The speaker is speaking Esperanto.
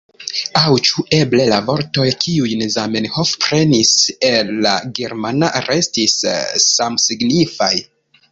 Aŭ ĉu eble la vortoj kiujn Zamenhof prenis el la germana restis samsignifaj?